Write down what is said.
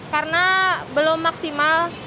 karena belum maksimal